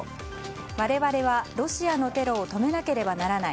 我々は、ロシアのテロを止めなければならない。